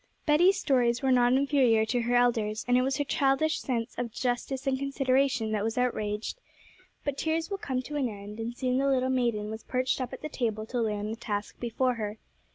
Betty's stories were not inferior to her elders, and it was her childish sense of justice and consideration that was outraged. But tears will come to an end, and soon the little maiden was perched up at the table to learn the task before her.